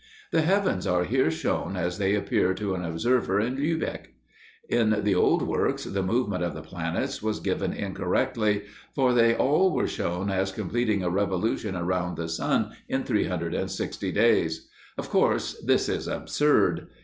The heavens are here shown as they appear to an observer in Lübeck. In the old works the movement of the planets was given incorrectly, for they all were shown as completing a revolution around the sun in 360 days. Of course this is absurd.